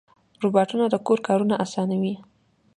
روبوټونه د کور کارونه اسانوي.